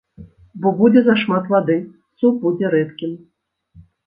Бо будзе зашмат вады, суп будзе рэдкім.